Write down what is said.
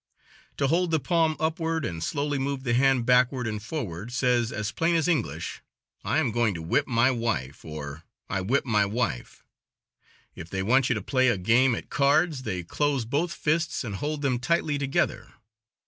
To hold the palm upward, and slowly move the hand backward and forward, says as plain as English "I am going to whip my wife," or "I whip my wife." If they want you to play a game at cards, they close both fists and hold them tightly together.